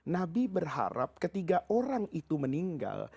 nabi berharap ketiga orang itu meninggal